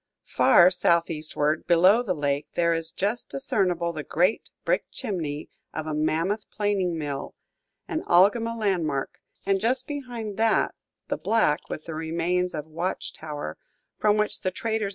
Far southeastward, below the lake, there is just discernible the great brick chimney of a mammoth planing mill, an Algoma landmark, and just behind that the black cloud resting above the Oshkosh factories.